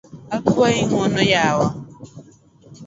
Akuayi ng’uono yawa